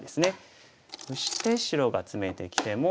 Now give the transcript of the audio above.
そして白がツメてきても。